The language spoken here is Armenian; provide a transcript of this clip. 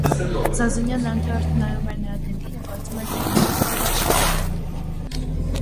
Զազունյանն անթարթ նայում էր նրա դեմքին և կարծում էր, թե մինչև անգամ չի շնչում: